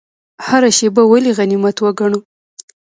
هره شیبه ولې غنیمت وګڼو؟